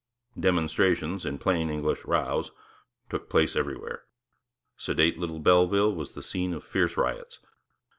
'Demonstrations' in plain English, rows took place everywhere. Sedate little Belleville was the scene of fierce riots.